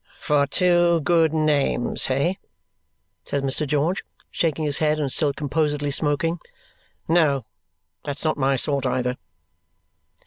"For two good names, hey?" says Mr. George, shaking his head and still composedly smoking. "No. That's not my sort either."